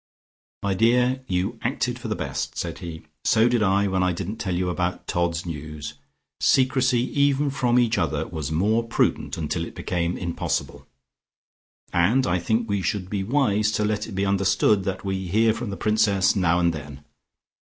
"My dear, you acted for the best," said he. "So did I when I didn't tell you about 'Todd's News.' Secrecy even from each other was more prudent, until it became impossible. And I think we should be wise to let it be understood that we hear from the Princess now and then.